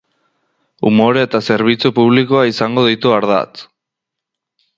Umorea eta zerbitzu publikoa izango ditu ardatz.